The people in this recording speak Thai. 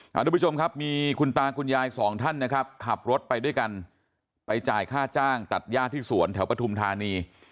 ทุกผู้ชมครับมีคุณตาคุณยายสองท่านนะครับขับรถไปด้วยกันไปจ่ายค่าจ้างตัดย่าที่สวนแถวปฐุมธานี